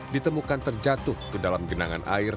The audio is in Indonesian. ditemukan terjatuh ke dalam genangan air